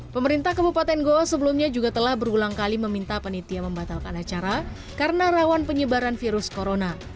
pemerintah kabupaten goa sebelumnya juga telah berulang kali meminta penitia membatalkan acara karena rawan penyebaran virus corona